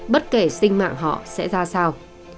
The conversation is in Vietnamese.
bất kể sinh mạng họ sẽ ra sao